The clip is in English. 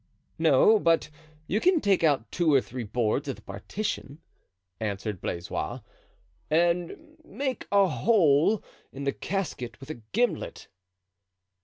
"No, but you can take out two or three boards of the partition," answered Blaisois, "and make a hole in the cask with a gimlet."